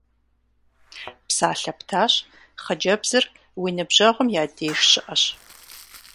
Псалъэ птащ, хъыджэбзыр уи ныбжьэгъум я деж щыӀэщ.